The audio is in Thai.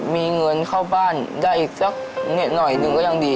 มีเงินเข้าบ้านได้อีกสักหน่อยหนึ่งก็ยังดี